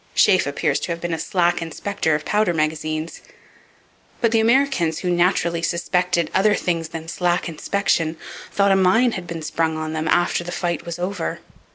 Sheaffe appears to have been a slack inspector of powder magazines. But the Americans, who naturally suspected other things than slack inspection, thought a mine had been sprung on them after the fight was over.